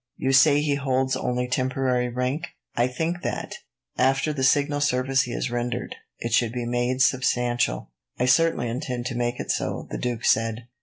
You say he holds only temporary rank. I think that, after the signal service he has rendered, it should be made substantial." "I certainly intend to make it so," the duke said.